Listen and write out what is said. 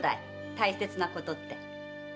大切なことって。